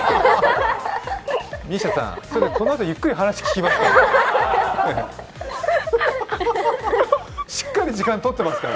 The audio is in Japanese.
ＭＩＳＩＡさん、このあとゆっくり話、聞きますから。